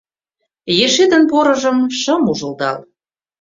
Ешетын порыжым шым ужылдал.